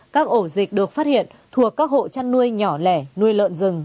các ổ dịch được phát hiện thuộc các hộ chăn nuôi nhỏ lẻ nuôi lợn rừng